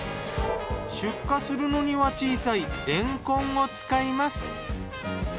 出荷するのには小さいれんこんを使います。